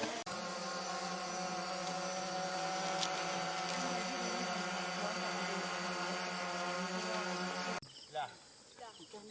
เวียนหัวไม่มาหรอกลูกไม่มาหรอก